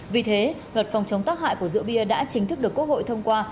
vì thế luật phòng chống tác hại của rượu bia đã chính thức được quốc hội thông qua